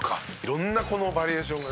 色んなこのバリエーションがね。